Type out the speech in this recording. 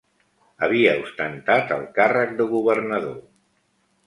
Havia ostentat el càrrec de governador.